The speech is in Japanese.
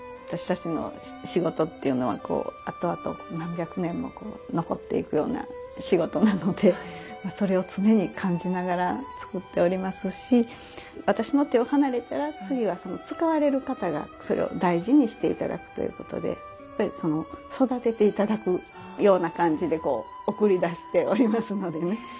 私たちの仕事っていうのはこうあとあと何百年も残っていくような仕事なのでそれを常に感じながら作っておりますし私の手を離れたら次はその使われる方がそれを大事にして頂くということで育てて頂くような感じでこう送り出しておりますのでね。